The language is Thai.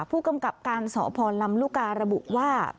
ผู้กำกับกาลสสพรรมลุกรบุว่า